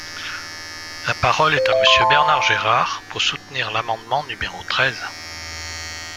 La parole est à Monsieur Bernard Gérard, pour soutenir l’amendement numéro treize.